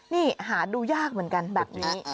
นี่หาดูยากเหมือนกันแบบนี้